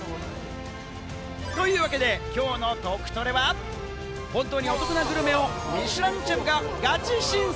というわけで、今日の「トクトレ」は本当にお得なグルメをミシュランシェフがガチ審査。